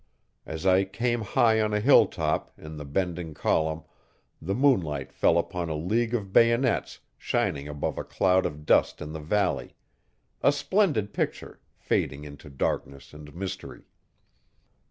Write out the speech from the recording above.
As I came high on a hill top, in the bending column, the moonlight fell upon a league of bayonets shining above a cloud of dust in the valley a splendid picture, fading into darkness and mystery.